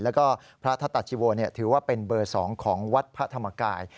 แล้วก็พระธตาชิโวถือว่าเป็นเบอร์๒ของวัดพระธรรมกาย